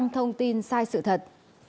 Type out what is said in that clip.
thông tin sai sự thật